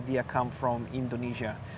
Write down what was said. datang dari indonesia